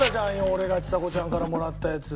俺がちさ子ちゃんからもらったやつ。